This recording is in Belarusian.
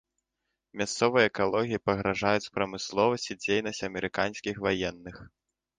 Мясцовай экалогіі пагражаюць прамысловасць і дзейнасць амерыканскіх ваенных.